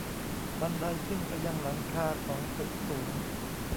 บันไดขึ้นไปยังหลังคาของตึกสูง